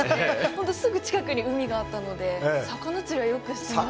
本当すぐ近くに海があったので魚釣りはよくしました。